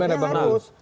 iya gimana pak ruhut